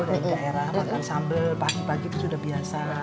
dari daerah makan sambal pagi pagi itu sudah biasa